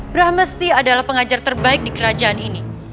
brahmesti adalah pengajar terbaik di kerajaan ini